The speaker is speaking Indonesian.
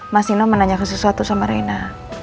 mas nino menanyakan sesuatu sama reina